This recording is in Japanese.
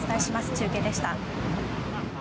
中継でした。